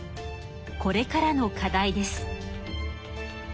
これからの課題です。